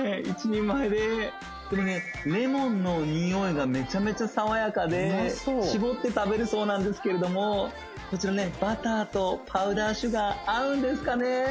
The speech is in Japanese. １人前ででもねレモンの匂いがメチャメチャ爽やかで搾って食べるそうなんですけれどもこちらねバターとパウダーシュガー合うんですかね？